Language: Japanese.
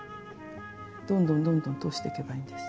どんどんどんどん通していけばいいんです。